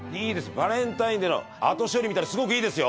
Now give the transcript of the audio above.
バレンタインデーの後処理みたいなのすごくいいですよ！